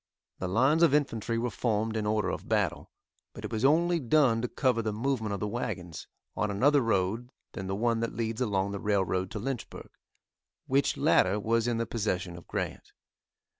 The lines of infantry were formed in order of battle, but it was only done to cover the movement of the wagons, on another road than the one that leads along the railroad to Lynchburg, which latter was in the possession of Grant.